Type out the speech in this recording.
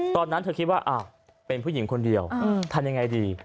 ตอนนั้นเธอคิดว่าเป็นผู้หญิงคนเดียวทำยังไงดี